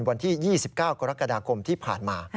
วันที่๒๙กรกฎาคมที่ผ่านมา